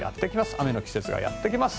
雨の季節がやってきます。